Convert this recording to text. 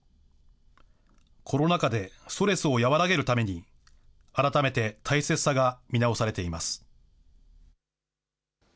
コロナ禍でストレスを和らげるために、改めて大切さが見直されています。